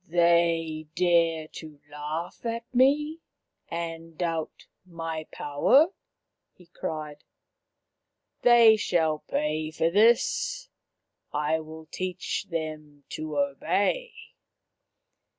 " They dare to laugh at me and doubt my power !" he cried. " They shall pay for this. I will teach them to obey."